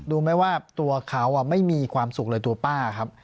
รู้ไหมว่าตัวเขาไม่มีความสุขเลยตัวป้าครับ